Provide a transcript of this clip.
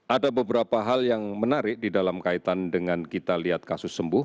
ada beberapa hal yang menarik di dalam kaitan dengan kita lihat kasus sembuh